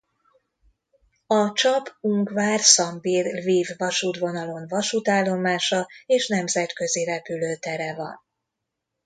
A Csap–Ungvár–Szambir–Lviv-vasútvonalon vasútállomása és nemzetközi repülőtere van.